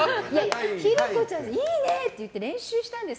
寛子ちゃん、いいねって言って練習したんです。